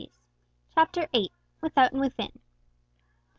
CHAPTER VIII. WITHOUT AND WITHIN.